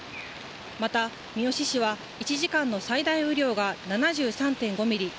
また、三好市は１時間の最大雨量が７３．５ミリ